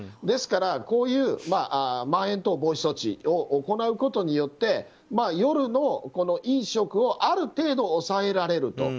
ですからこういうまん延等防止措置を行うことによって、夜の飲食をある程度、抑えられると。